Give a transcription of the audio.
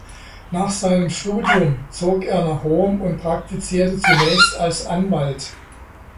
Nach seinem Studium zog er nach Rom und praktizierte zunächst als Anwalt.